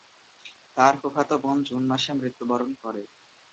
তার ফুফাতো বোন জুন মাসে মৃত্যুবরণ করে।